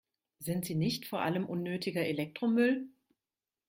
Sind sie nicht vor allem unnötiger Elektromüll?